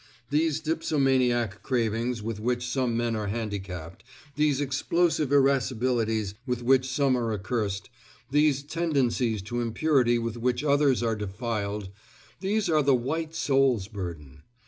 These dipsomaniac cravings with which some men are handicapped, these explosive irascibilities with which some are accursed, these tendencies to impurity with which others are defiled these are the white soul's burden.